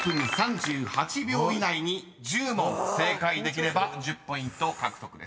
３分３８秒以内に１０問正解できれば１０ポイント獲得です。